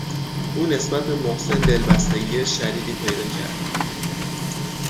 او نسبت به محسن دلبستگی شدیدی پیدا کرد.